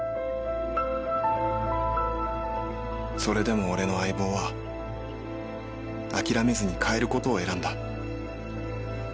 それでも俺の相棒は諦めずに変える事を選んだ。